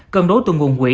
cần đối tượng nguồn quỹ